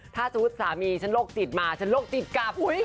ถ้าสมมุติสามีฉันโรคจิตมาฉันโรคจิตกลับ